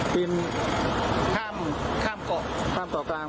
เพื่อหาสาเหตุที่แท้จริงอีกครั้ง